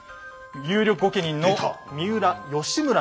有力御家人の三浦義村。